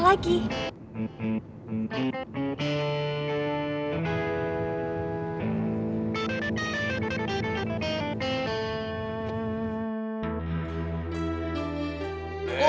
urawa kak dia